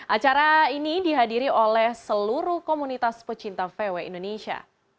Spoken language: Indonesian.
acara ini dihadiri oleh seluruh komunitas pecinta vw indonesia